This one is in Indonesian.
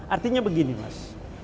artinya begini mas